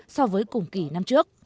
so với cùng kỳ năm hai nghìn hai mươi ba